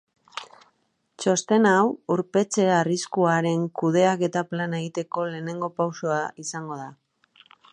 Txosten hau urpetze arriskuaren kudeaketa plana egiteko lehenengo pausua izango da.